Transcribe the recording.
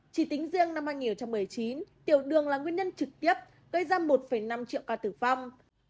chỉ tính riêng năm hai nghìn một mươi chín tiểu đường là nguyên nhân trực tiếp gây ra một năm triệu ca tử vong